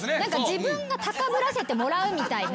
自分が高ぶらせてもらうみたいな。